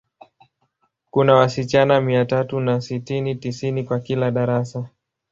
Kuna wasichana mia tatu na sitini, tisini kwa kila darasa.